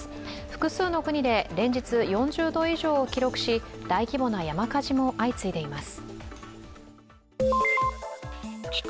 複数の国で連日４０度以上を記録し、大規模な山火事も相次いでいます。